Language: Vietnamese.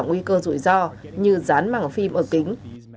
những biện pháp có thể giúp giảm nguy cơ rủi ro như rán mảng phim ở kính